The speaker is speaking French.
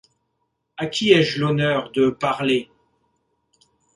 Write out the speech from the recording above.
À qui ai-je l’honneur de parler ?